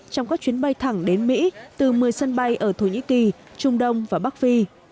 trong các chuyến bay thẳng đến mỹ từ một mươi sân bay ở thổ nhĩ kỳ trung đông và bắc phi